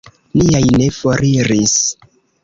Niaj ne foriris.